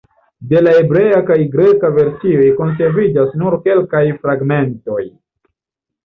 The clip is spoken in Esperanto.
De la hebrea kaj greka versioj konserviĝas nur kelkaj fragmentoj.